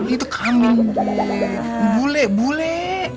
itu kambing deh bule bule